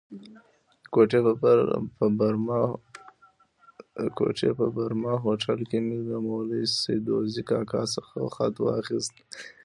د کوټې په برمه هوټل کې مې له مولوي سدوزي کاکا څخه خط واخیست.